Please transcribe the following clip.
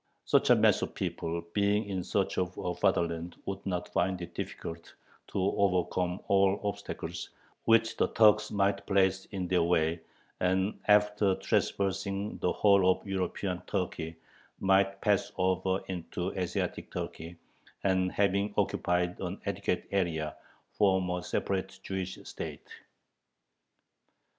Such a mass of people, being in search of a fatherland would not find it difficult to overcome all obstacles which the Turks might place in their way, and, after traversing the whole of European Turkey, might pass over into Asiatic Turkey, and, having occupied an adequate area, form a separate Jewish State.